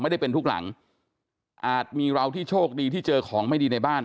ได้เป็นทุกหลังอาจมีเราที่โชคดีที่เจอของไม่ดีในบ้าน